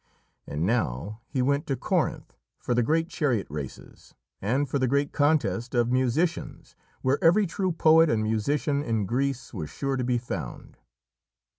And now he went to Corinth for the great chariot races, and for the great contest of musicians where every true poet and musician in Greece was sure to be found.